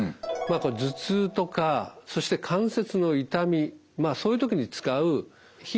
頭痛とかそして関節の痛みそういう時に使う非